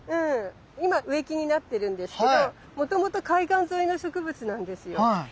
今植木になってるんですけどもともと海岸沿いの植物なんですよ。